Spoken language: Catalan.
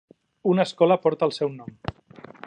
Una escola porta el seu nom.